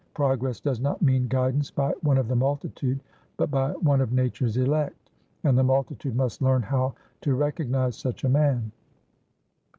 Progress does not mean guidance by one of the multitude, but by one of nature's elect, and the multitude must learn how to recognise such a man."